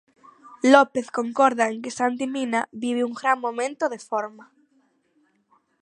López concorda en que Santi Mina vive un gran momento de forma.